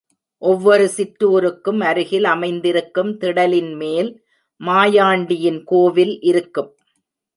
ஒவ்வொரு சிற்றூருக்கும் அருகில் அமைந்திருக்கும் திடலின்மேல் மாயாண்டியின் கோவில் இருக்கும்.